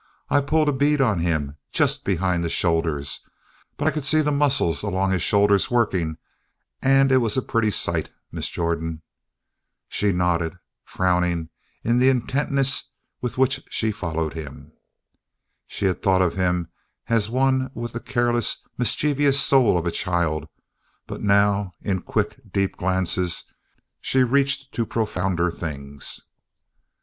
I pulled a bead on him just behind the shoulder but I could see the muscles along his shoulders working and it was a pretty sight, Miss Jordan." She nodded, frowning in the intentness with which she followed him. She had thought of him as one with the careless, mischievous soul of a child but now, in quick, deep glances, she reached to profounder things.